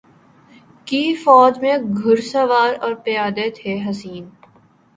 کی فوج میں گھرسوار اور پیادے تھے حسین